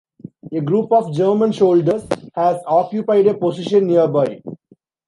A group of German soldiers has occupied a position nearby.